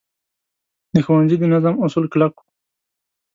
د ښوونځي د نظم اصول کلک وو.